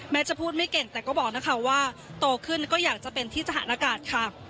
จะพูดไม่เก่งแต่ก็บอกนะคะว่าโตขึ้นก็อยากจะเป็นที่ทหารอากาศค่ะ